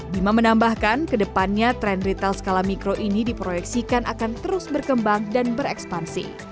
bima menambahkan kedepannya tren retail skala mikro ini diproyeksikan akan terus berkembang dan berekspansi